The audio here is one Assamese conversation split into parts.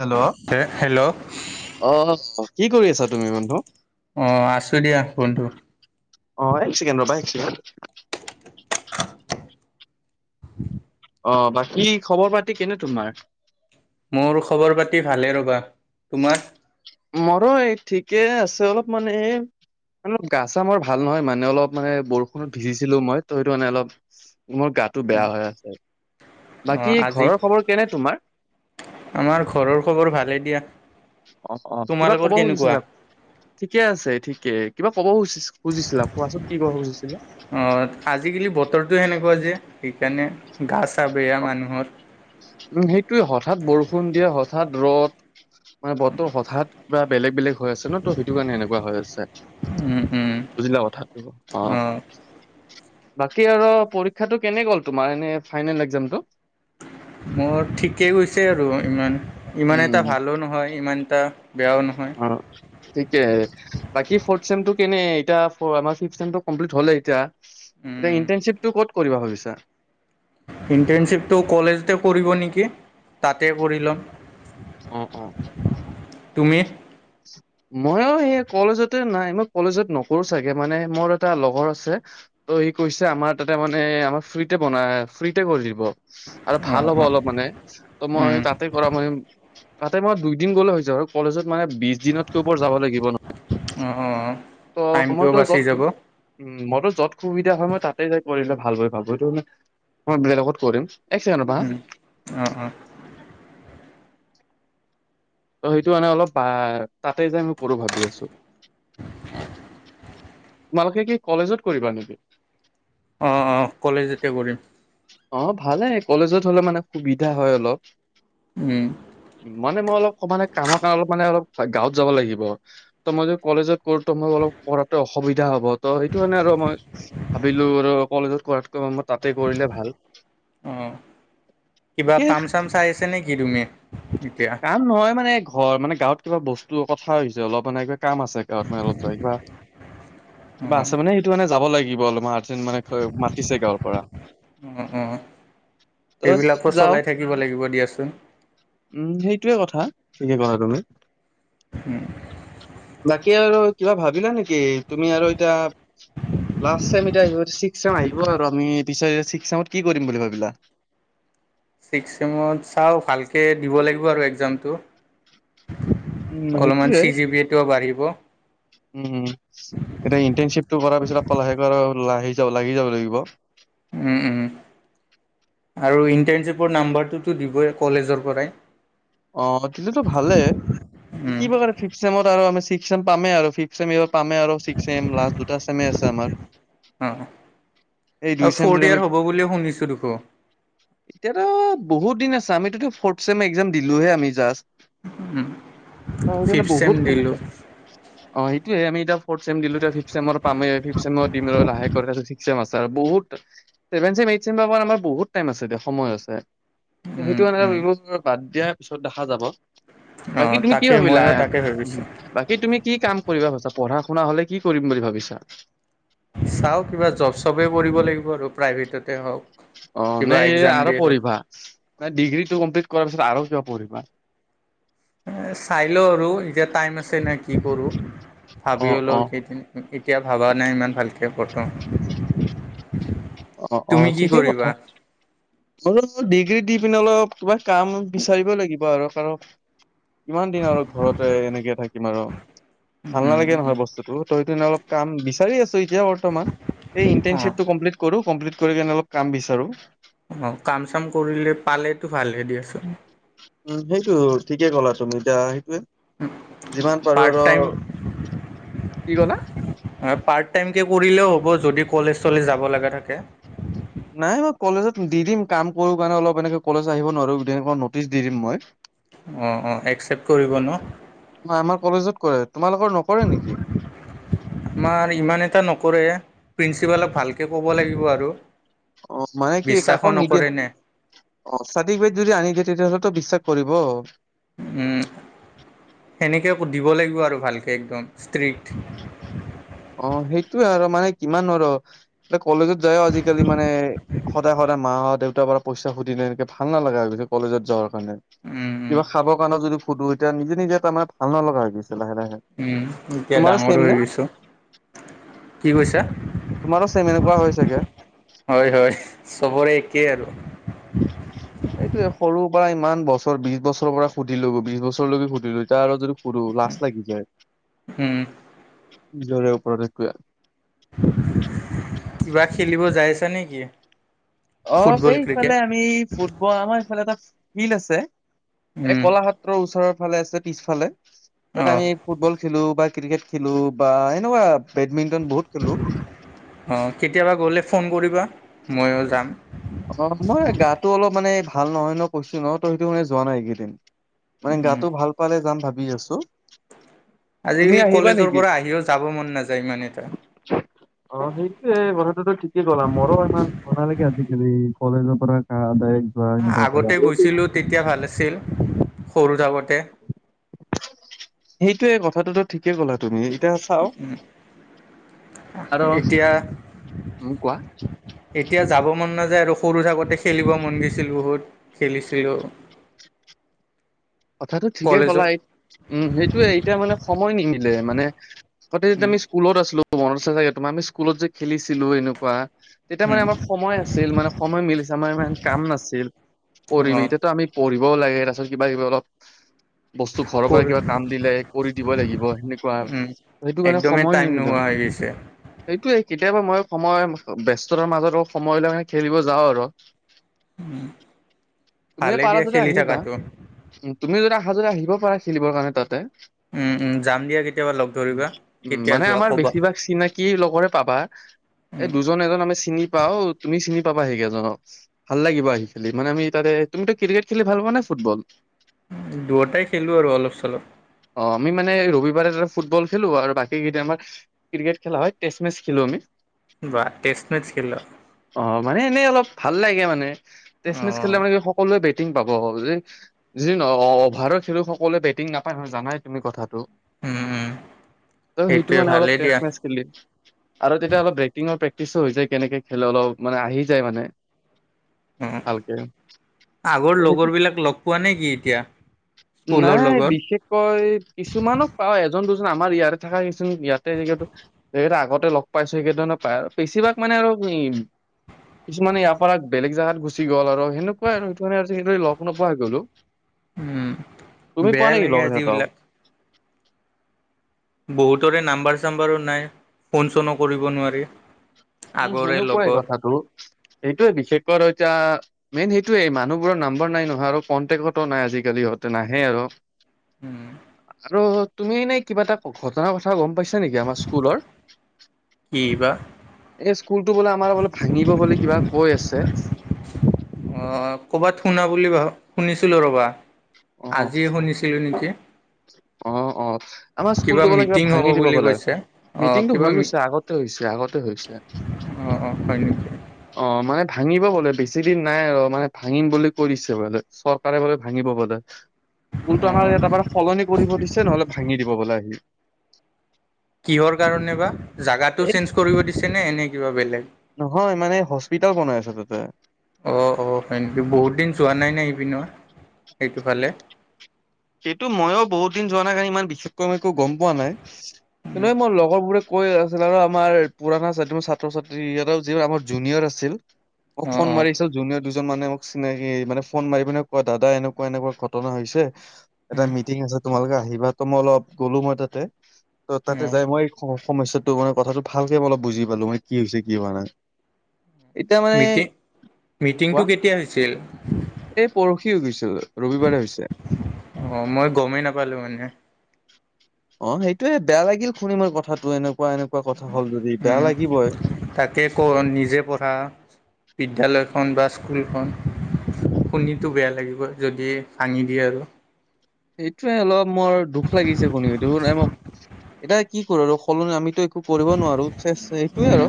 Hello hello. অ, ' কি কৰি আছ, তুমি বন্ধু? অ', আছো দিয়া বন্ধু। অ', এক ছেকেণ্ড ৰবা, এক ছেকেণ্ড। অ, ' বাকী খবৰ পাতি কেনে তোমাৰ? মোৰ খবৰ পাতি ভালে ৰ'বা, তোমাৰ? মোৰো এই ঠিকে আছে, অলপ মানে এই গা- চা বৰ ভাল নহয় মানে, অলপ মানে বৰষুণত ভিজিছিলো মই, ত সেইটো মানে অলপ মোৰ গাতটো বেয়া হৈ আছে। অঁ বাকী আজি ঘৰৰ খবৰ কেনে তোমাৰ? আমাৰ ঘৰৰ খবৰ ভালে দিয়া। অ'- অ', কিবা তোমালোকৰ কব কেনেকুৱা খুজিছিলা? ঠিকে আছে, ঠিকে কিবা কব খুজি- খুজিছিলা, কোৱাচোন কি কব খুজিছিলা? অ, ' আজিকালি বতৰটো সেনেকুৱা যে, সেইকাৰণে গা চা বেয়া মানুহৰ। উম, সেইটোৱে হঠাৎ বৰষুণ দিয়ে, হঠাৎ ৰ'দ মানে বতৰ হঠাৎ বা বেলেগ বেলেগ হৈ আছে ন। ত সেইটো কাৰণে এনেকুৱা হৈ আছে। উম উম বুজিলা কথাটো। অঁ অ'। বাকী আৰু পৰীক্ষাটো কেনে গ'ল তোমাৰ, এনে ফাইনেল একজামটো? মোৰ ঠিকেই গৈছে আৰু। ইমান- ইমান এটা উম। ভালো নহয় ইমান এটা বেয়াও নহয় অ। ঠিকে, বাকী ফৰ্থ চেমটো কেনে, এতিয়া আমাৰ ফিফ চেমটো কমপ্লিট হ'লে এতিয়া এতিয়া উম ইটাৰ্নশিপটো ক'ত কৰিবা, ভাবিছা? ইণ্টাৰ্ণশ্বিপটো কলেজতে কৰিব নেকি, তাতে কৰি ল'ম। অ অ। তুমি? মইও সেই কলেজতে নাই, মই কলেজত নকৰো চাগে, মানে মোৰ এটা লগৰ আছে ত' সি কৈছে আমাৰ তাতে মানে আমাক ফ্ৰীতে বনাই ফ্ৰীতে কৰি দিব। আৰু অঁ ভাল হ'ব অঁ অলপ মানে। ত' মই উম তাতে কৰা মই তাতে মই দুই দিন গ'লে হৈ যাব কলেজত মানে বিছ দিনত তোবৰ যাব লাগিব নহয় অঁ অঁ অঁ ত টাইমটোও মইতো বাচি যত যাব অঁ উম মইতো য'ত সুবিধা হয় মই তাতে যাই কৰিলে ভাল বুলি ভাবো সেইটো মানে মই বেলেগত কৰিম এক ছেকেণ্ড ৰ'বা হা। উম অ' অ' ত' সেইটো মানে অলপ বা তাতে যাই মই পৰো ভাবি আছো তোমালোকে কি কলেজত কৰিবা নিকি অ' অ' কলেজতে কৰিম অ' ভালে কলেজত হলে মানে সুবিধা হয় অলপ উম মানে মই অলপ মানে কামৰ কাৰণে অলপ মানে অলপ গাঁৱত যাব লাগিব ত' মই য কলেজত কৰো ত মই অলপ পঢ়াতো অসুবিধা হ'ব ত' সেইটো কাৰণে আৰু মই ভাবিলো আৰু কলেজত কৰাকৈ মই তাতে কৰিলে ভাল অঁ কিবা ঠিকে কাম চাম চাই আছে নিকি তুমি এতিয়া কাম নহয় মানে ঘৰ মানে গাঁৱত কিবা বস্তু কথা হৈছে অলপ মানে কিবা কাম আছে গাঁৱত মানে অলপ যায় কিবা কিবা অঁ আছে মানে সেইটো মানে যাব লাগিব অলপমান আৰ্জেণ্ট মানে মাতিছে গাঁৱৰ পৰা অ' অ' ত সেইবিলাকো যাওঁ চলাই থাকিব লাগিব দিয়াচোন উম সেইটোয়ে কথা ঠিকে কলা তুমি উম বাকী আৰু কিবা ভাবিলা নিকি তুমি আৰু এতিয়া লাষ্ট চেম এতিয়া ইউ চিস্কচেম আহিব আৰু আমি পিছে চিস্ক চেমত কি কৰিম বুলি ভাবিলা ছিক্স চেমত চাওঁ ভালকে দিব লাগিব আৰু একজামটো উম সেইটোৱে চি জি বি এটোও বাঢ়িব উম এতিয়া ইণ্টাৰ্নচিপ টো কৰাৰ পিছত আক লাহেকৈ লাহি যাব লাগি যাব লাগিব উম উম আৰু ইণ্টাৰ্ণশ্বিপৰ নাম্বাৰটোতো দিবই কলেজৰ পৰাই অ দিলেতো ভালে কিবা কাৰে ফিফচেমত আৰ আমি চিস্কচেমত পামে আৰ ফিফ্ট চেম এবাৰ পামে আৰু চিস্কচেম লাষ্ট দুটা চেমে আছে আমাৰ অঁ এই দুই অ চেম যদি ফ'ৰ্থ আমি ইয়েৰ হ'ব বুলি শুনিছোঁ দেখো এতিয়াতো বহুত দিন আছে আমিতো ফ'ৰ্থ ছেম একজাম দিলোহে আমি জাষ্ট অ সেইটো ফিফ মানে চেম বহুত কম দিলোঁ অ সেইটোয়ে আমি এতিয়া ফৰ্থচেম দিলো এতিয়া ফিফ্ট ছেমৰ পামেই ফিফ চেমত দিলো লাহেকৈ তাছত চিস্কচেম আছে আৰ বহুত ছেভেন ছেম এইট ছেম পাব আমাৰ বহুত টাইম আছে দে সময় আছে ত উম, সেইটো কাৰণে উম। মানে বাদ এতিয়া পিছত দেখা যাব বাকী অঁ তুমি কি তাকে ভাবিলা ময়ো তাকে ভাবিছোঁ বাকী তুমি কি কাম কৰিবা ভাবিছা পঢ়া শুনা হলে কি কৰিম বুলি ভাবিছা চাওঁ কিবা জব চবেই কৰিব লাগিব আৰু প্ৰাইভেটতে হওক অ নে কিবা এই এক্সাম আৰু দিয়ে হওক পঢ়িবা ডিগ্ৰীটো কমপ্লিট কৰাৰ পিছত আৰু কিবা পঢ়িবা চাই লওঁ আৰু এতিয়া টাইম আছে নে কি কৰোঁ অ ভাবিও লও অ এইকেইদিন এতিয়া ভবা নাই ইমান ভালকে কতো অ অ ঠিকেই কথা ডিগ্ৰী দি পিনে অলপ কিবা কাম বিচাৰিব লাগিব আৰু কাৰণ কিমান দিন আৰু ঘৰতে এনেকে থাকিম আৰু ভাল নালাগে নহয় বস্তুটো ত ইটো কাৰনে অলপ কাম বিচাৰি আছো এতিয়া বত তমা এ অঁ ইন্টানশ্বিপ কমপ্লিট কৰো কমপ্লিট কৰি কেনে অলপ কাম বিচাৰোঁ অ কাম চাম কৰিলে পালেটো ভালে দিয়াচোন উম সেইটো ঠিকেই ক'লা তুমি এতিয়া সেইটোয়ে যিমান পাৰো পাৰ্ট আৰু টাইম কি ক'লা হয় পাৰ্ট টাইমকৈ কৰিলেও হ'ব যদি কলেজ চলেজ যাব লগা থাকে। নাই মই কলেজত দি দিম কাম কৰো কাৰণে অলপ এনেকে কলেজ আহিব নোৱাৰো নটিচ দি দিম মই। [unintelligible] অ অ একচেপ্ট কৰিব ন? নাই আমাৰ কলেজত কৰে, তোমালোকৰ নকৰে নেকি? আমাৰ ইমান এটা নকৰে, প্ৰিন্সিপালক ভালকে ক'ব লাগিব আৰু। অ মানে কি বিশ্বাসো কাকো নিদিয়ে নকৰে নে চাৰ্টিফিকেট যদি আনি দিয়ে তেতিয়াহ'লেতো বিশ্বাস কৰিব। উম সেনেকে দিব লাগিব আৰু ভালকৈ একদম ষ্ট্ৰিক্ট। অ সেইটোয়ে আৰু মানে কিমান আৰু এ কলেজত যায় আজিকালি মানে সদায় সদায় মাহ দেউতাৰ পৰা পইচা খুজিলে এনেকে ভাল নালাগা হৈছে। কলেজত যাব কাৰণে, উম উম কিবা খাব কাৰণে যদি শুধু এতিয়া নিজে নিজে তাৰ মানে ভাল নালাগ গৈছে লাহে লাহে। উ এতিয়া তোমাৰো ছেম ডাঙৰো নে হৈ গৈছো। কি কৈছা? তোমাৰো চেম এনেকুৱা হৈছে চাগে? হয় হয় চবৰে একেই আৰু। এইটোৱে সৰুৰ পৰা ইমান বছৰ বিশ বছৰৰ পৰা সুধিলো বিশ বছৰলৈকে সুধিলো এতিয়া আৰু যদি লাজ লাগি যায়, উম নিজৰে ওপৰত একোৱে কিবা খেলিব যাই আছা নেকি? অ ফুটবল এই ইফালে ক্ৰিকেট আমি ফুটবল আমাৰ এইফালে এটা ফিল্ড আছে, এই উম কলাহাট ওচৰৰ ফালে আছে পিছফালে, তাত অঁ আমি ফুটবল খেলো বা ক্ৰিকেট খেলো বা এনেকুৱা বেডমিন্টন বহুত খেলো। অ কেতিয়াবা গ'লে ফোন কৰিবা ময়ো যাম। অ মই গাটো অলপ মানে ভাল নহয় ন কৈছো ন ত সেইটো মানে যোৱা নাই এইকেইদিন। মানে উম গাটো ভাল পালে যাম ভাবি আছোঁ। আজিকালি কলেজৰ পৰা আহিও যাব মন নাযায় ইমান এটা। অ সেইটোৱে কথাটোতো ঠিকেই কলা মোৰো ইমান ভাল নালাগে আজি কলি কলেজৰ পৰা কা দাইৰেক আগতে গৈছিলোঁ তেতিয়া ভাল আছিল সৰু থাকোঁতে। সেইটোৱে কথাটোতো ঠিকেই ক'লা তুমি এতিয়া চাও আৰু এতিয়া উম কোৱা। এতিয়া যাব মন নাযায় আৰু সৰু থাকোতে খেলিব মন গৈছিল বহুত খেলিছিলোঁ। [inaudible] কথাটো ঠিকে ক'লা কলেজত উম সেইটোৱে এতিয়া মানে সময় নিমিলে মানে আগতে যদি আমি স্কুলত আছিলো মনত জাগ তোৰ আমি স্কুলত যে খেলছিলো এনেকুৱা। তেতিয়া মানে আমাৰ সময় আছিল, মানে সময় মিলিছে আমাৰ ইমান কাম নাছিল পৰিবি অঁ এতিতো আমি পঢ়িবও লাগে তাৰপিছত কিব কিবি অপল বস্তু ঘৰৰ পৰা কৰ কিবা কাম দিলে কৰি দিবই লাগিব সেনেকুৱা উম, সেইটো কাৰণে একদমেই সময় টাইম নিমিলা নোহোৱা হয়। হৈ গৈছে সেইটোৱে কেতিয়াবা মই সময় ব্যস্ততাৰ মাজত সময় লৈ খেলিব যাওঁ আৰু। তুমি ভালেই দিয়া পাৰা যদি খেলি আহিবা। থকাটো উ তুমি যদি অহা যদি আহিব পাৰা খেলিবৰ কাৰণে তাতে। যাম দিয়া কেতিয়াবা লগ উ ধৰিবা কেতিয়া মানে যোৱা আমাৰ ক'বা বেছিভাগ চিনাক কি লগৰে পাবা। এই উম, দুজন এজন আমি চিনি পাওঁ তুমি চিনি পাবা সেইকেইজনক। ভাল লাগিব আহি খেলি মানে আমি তাতে তুমিতো ক্ৰিকেট খেলি ভাল পোৱা নে ফুটবল? দুয়োটাই খেলো আৰু অলপ চলপ। অ আমি মানে ৰবিবাৰে তাতে ফুটবল খেলো আৰু বাকী কেইদিন আমাৰ ক্ৰিকেট খেলা হয় টেষ্ট মেচ খেলোঁ আমি। বাহঃ টেষ্ট মেচ খেল। অ মানে এনেই অলপ ভাল লাগে মানে টেষ্ট মেচ খেলিলে অঁ মানে কি সকলোৱে বে টিং পাব যে, যি নহক অভাৰৰ খেলোৱাই সকলোৱে বেটিং নাপায় নহয় জানাই তুমি কথাটো ত সেইটো সেইটোৱে মানে অলপ ভালেই টেষ্ট দিয়া মেচ খেলি, আৰু তেতিয়া অলপ বেটিঙৰ প্ৰেক্টিচো হৈ যায় কেনেকে খেলে অলপ মানে আহি যায় মানে। ওম, ভালকে। আগৰ ত' সেই লগৰ বিলাক লগ পোৱা নে কি? এতিয়া স্কুলৰ নাই লগৰ বিশেষ কৈ, কিছুমানক পাও, এজন দুজন আমাৰ ইয়াতে থকা কিছুমান ইয়াতে জেগাটো সেইকেইটা আগতে লগ পাইছো সেইকেইটা নো পাই আৰু, বেছিভাগ মানে আৰু কি কিছুমানে ইয়াৰ পৰা বেলেগ জেগাত গুচি গ'ল আৰু সেনেকুৱা আৰু সেইটো কাৰণে আজিকালি লগ নোপোৱা হৈ গ'লো। উম, তুমি পোৱা বেয়া নেকি লাগে লগ সিহঁতক? আজিবিলাক বহুতৰে নাম্বাৰ চাম্বাৰো নাই ফোন চোনো কৰিব নোৱাৰি। উম আগৰে সেনেকুৱাই লগৰ কথাটো এইটোয়ে বিশেষকৈ আৰু এতিয়া মেইন সেইটোৱেই মানুহবোৰৰ নাম্বৰ নাই নহয় আৰু কন্টেকটো নাই আজিকালি হিহঁতে নাহে আৰু উম। আৰু তুমি এনেই কিবা এটা ঘটনাৰ কথা গম পাইছা নেকি আমাৰ স্কুলৰ? কি বা? এই স্কুলতো বোলে আমাৰ বোলে ভাঙিব বোলে কিবা কৈ আছে। অ কবাত শুনা বুলি ভ শুনিছিলো ৰবা। অ'। আজি শুনিছিলি নেকি? অ অ, আমাৰ স্কুলটো বোলে কিবা মিটিং হ'ব ভাঙি দিব বুলি বোলে! কৈছে অ' মিটিংটো কিবা হৈ গৈছে, আগতে হৈছে আগতে হৈছে। অ অ হয় নেকি? অ মানে ভাঙিব বোলে বেছি দিন নাই আৰু মানে ভাঙিম বুলি কৈ দিছে বোলে। চৰকাৰে বোলে ভাঙিব বোলে। স্কুলটো আমাৰ অ' এ তাৰ পৰা সলনি কৰিব দিছে নহলে ভাঙি দিব বোলে আহি। কিহৰ কাৰণে বা, জাগাটো এই চেঞ্জ কৰিব দিছেনে এনেই কিবা বেলেগ? নহয় মানে হস্পিতেল বনাই আছে তাতে। অঁ অঁ হয় নেকি? বহুত দিন যোৱা নাই নাই ইপিনেও সেইটোফালে। যিহেতু মইয়ো বহুত দিন যোৱা নাই কাৰণে ইমান বিশেষকৈ ম‌ই একো গম পোৱা নাই এনেই মোৰ লগৰবোৰে কৈ আছিল আৰু আমাৰ পুৰণা ছাত্ৰ ছাত্ৰ-ছাত্ৰী এটাও যিবোৰ আমাৰ জুনিয়ৰ আছিল। মোক অ' ফোন অ' মাৰিছে জুনিয় দুজন মানে মোক। চিনাকি মানে ফোন মাৰি পিনে কয়, দাদা এনেকুৱা এনেকুৱা ঘটনা হৈছে। এটা উম মিটিং আছে তোমালোকে আহিবা তো মই অলপ গ'লো মই তাতে, ত' তাতে অ' যাই মই সমস্যা সমস্যাটো মানে কথাটো ভালকে ম‌ই অলপ বুজি পালো মান কি হৈছে কি হোৱা নাই। এতিয়া মানে মিটিং কি মিটিংটো কোৱা কেতিয়া হৈছিল? এই পৰহি হৈ গৈছিল ৰবিবাৰে হৈছে। অ মই গমেই নাপালো মানে। অ সেইটোৱে বেয়া লাগিল শুনি মই কথাটো এনেকুৱা এনেকুৱা কথা হল যদি বেয়া উম, লাগিবই। তাকে কওঁ নিজে পঢ়া বিদ্যালয়খন বা স্কুলখন। শুনিতো বেয়া লাগিবই যদি ভাঙি দিয়ে আৰু। সেইটোৱে অলপ মোৰ দুখ লাগিছে খিনি পেলে এতিয়া কি কৰো আৰু সলনি আমিতো একো কৰিব নোৱাৰো, চে এইটোৱে আৰু।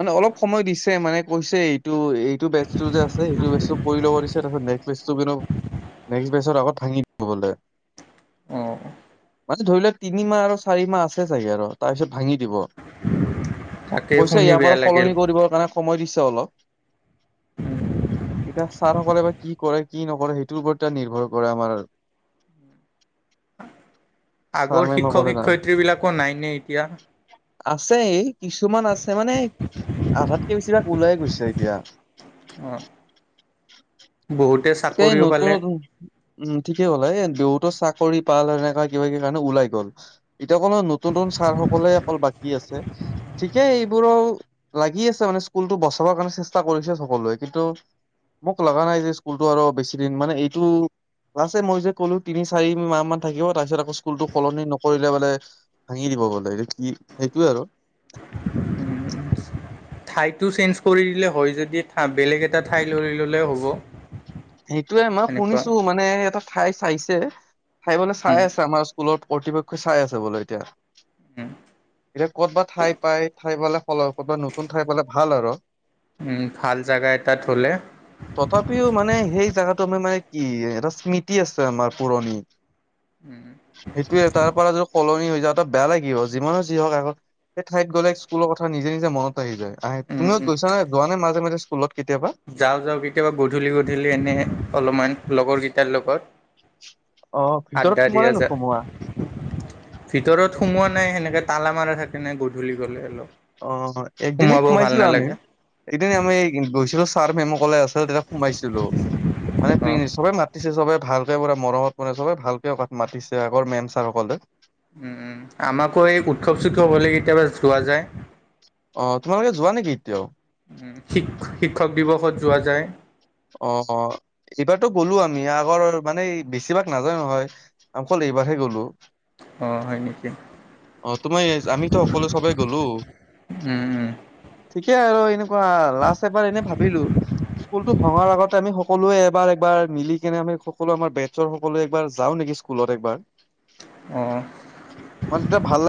মানে অলপ সময় দিছে মানে কৈছে, এইটো- এইটো বেচটো যে আছে এইটো বেচটো কৰি ল'ব দিছে তাৰপিতে নেষ্ট বছৰত আগত ভাঙি দিব বলে। অঁ মানে ধৰি লোৱাক তিনিমাহ আৰু চাৰি মাহ আছে চাগে আৰু, তাৰপিছত ভাঙি দিব। তাকে পইচা শুনি ইয়াৰ বেয়া পৰা লাগিল সলনি কৰিবৰ কাৰণে সময় দিছে অলপ। উ এতিয়া ছাৰ সকলে বা কি কৰে কি নকৰে সেইটোৰ ওপৰত এ' নিৰ্ভৰ কৰে আমাৰ। ছাৰ আগৰ মেমসকলে শিক্ষক জানে। শিক্ষয়িত্ৰীবিলাকো নাইনে এতিয়া? আছে এই কিছুমান আছে মানে, আধাতকে বেছিভাগ ওলাইে গৈছে এতিয়া। অ', বহুতে এতিয়া এই চাকৰিও নতুন পালে। নতুন উম' ঠিকেই হ'ল এ' দেউতো চাকৰি পাল এনেকুৱা কিবা কিবি কাৰণে ওলাই গ'ল। এতিয়া অকল নতুন নতুন ছাৰ সকলে অকল বাকী আছে। ঠিকেই এইবোৰো লাগি আছে, মানে স্কুলতটো বচাবৰ কাৰণে চেষ্টা কৰিছে সকলোৱে কিন্তু মোক লগা নাই যে স্কুলতটো আৰু বেছি দিন মানে এইটো লছে মই যে কলো তিনি চাৰি মাহ মান থাকিব, তাৰপিছত আকৌ স্কুলতটো সলনি নকৰিলে বোলে ভাঙি দিব বলেটো কি সেইটোয়ে আৰু। ঠাইটো চেঞ্জ কৰি দিলে হয় যদি, বেলেগ এটা ঠাই লই ল'লে হ'ব। সেইটোয়ে মই এনেকুৱা শুনিছো মানে, এটা ঠাই চাইছে ঠাইবিলাক চাই উম, আছে আমাৰ ওচ স্কুলত কৰ্তৃপক্ষই চাই আছে বোলো এতিয়া। উম',। এতিয়া ক'তবাত ঠাই পাই, ঠাই পালে খলাব ক'তবাত নতুন ঠাই পালে ভাল আৰু। উম', ভাল জেগা এটাত হ'লে। তথাপিও মানে সেই জোগাটো আমাৰ মানে কি, এটা স্মৃতি আছে আমাৰ পুৰণি। উম',। সেইটোৱে তাৰ পৰা যটো সলনি হৈ যওঁ ত' বেয়া লাগিব, যিমানো যি হওক আগত সেই ঠাইত গ'লে স্কুলৰ কথা নিজে নিজে মনত আহি যায়, আহে উম, তুমিও উম। গৈছা নে যোৱা নে মাজে মাজে স্কুলত কেতিয়াবা? যাওঁ যাওঁ কেতিয়াবা গধূলি গধূলি এনে, অলপমান লগৰকেইটাৰ লগত। অ', ভিতৰত আড্ডা সোম দিয়া নে যায় নোসোমোৱা? ভিতৰত সোমোৱা নাই সেনেকে তালা মাৰা থাকে, নাই গধূলি গলে অলপ। অ', একদিন সোমাব ভাল সোমাইছিলো আমি, নালাগে একদিন আমি গৈছিলো ছাৰ মেমক কলে আছিল তেতিয়া সোমাইছিলো, মানে অ প' চবে মাতিছে চবে ভাল। তে পুৰা মৰমত মৰে চবে ভালকে কাত মাতিছে আগৰ মেন চাৰ সকলে। উম', আমাকো এই উৎসৱ চৎসৱ হ'লে কেতিয়াবা যোৱা যায়। অ', তোমালোকে যোৱা নেকি এতিয়াও? শিক- শিক্ষক দিৱসত যোৱা যায়। অ', এইবাৰতো গ'লো আমি আগৰ মানে বেছিভাগ নাযায় নহয়। অকল এইবাৰহে গ'লো। অ', হয় নেকি। অ', তোমাৰ আমিতো সকলো চবেই গ'লো। উম উম ঠিকেই আৰু এনেকুৱা লাষ্ট এবাৰ এনেই ভাবিলো স্কুলতো ভঙাৰ আগতে আমি সকলোৱে এবাৰ এবাৰ মিলি কেনে আমি সকলো আমাৰ বেছৰ সকলোৱে এবাৰ যাওঁ নেকি স্কুলত একবাৰ। অ',। মানে ভাল লা